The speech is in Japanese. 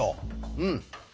うん。